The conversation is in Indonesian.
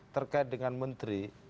terkait dengan menteri